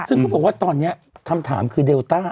ซึ่งเขาบอกว่าตอนนี้คำถามคือเดลต้า